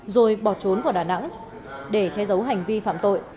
rồi bỏ trốn vào đà nẵng để che giấu hành vi phạm tội